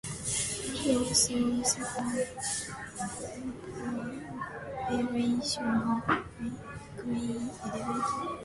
He also supervised the operation of the grain elevators.